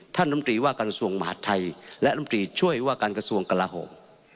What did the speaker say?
ท่านนมตรีว่าการกระทรวงมหาทัยและนมตรีช่วยว่าการกระทรวงกระละโหม